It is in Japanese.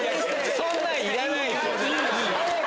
そんなのいらない！